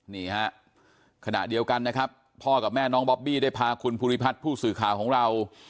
นี่ฮะขณะเดียวกันนะครับพ่อกับแม่น้องบอบบี้ได้พาคุณภูริพัฒน์ผู้สื่อข่าวของเรา